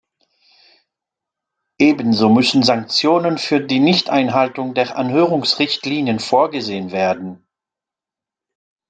Ebenso müssen Sanktionen für die Nichteinhaltung der Anhörungs-Richtlinien vorgesehen werden.